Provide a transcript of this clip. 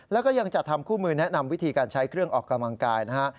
แล้วก็ยังจัดทำคู่มือแนะนำวิธีการใช้เครื่องออกกำลังกายนะฮะ